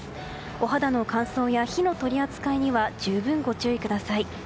お肌の乾燥や火の取り扱いには十分ご注意ください。